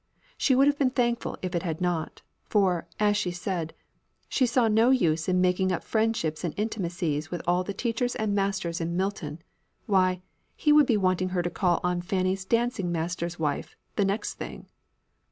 She would have been thankful if it had not; for, as she said, "she saw no use in making up friendships and intimacies with all the teachers and masters in Milton; why, he would be wanting her to call on Fanny's dancing master's wife, the next thing!"